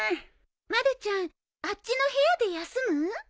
まるちゃんあっちの部屋で休む？